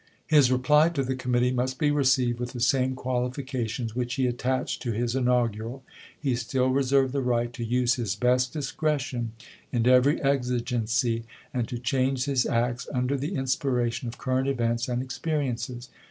His reply to the committee must be received with the same qualification which he attached to his in augural. He still reserved the right to use his best discretion in every exigency, and to change his acts 76 ABEAHAM LINCOLN Chap. IV. Under the inspiration of current events and experi ences.